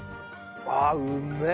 ああうめえ！